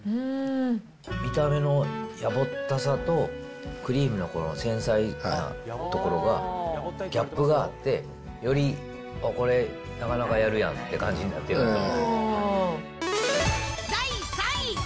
見た目のやぼったさと、クリームのこの繊細なところが、ギャップがあって、より、これ、なかなかやるやんっていう感じになってると思う。